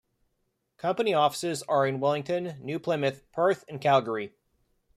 Company offices are in Wellington, New Plymouth, Perth and Calgary.